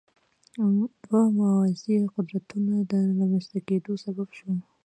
دوه موازي قدرتونو د رامنځته کېدو سبب شو.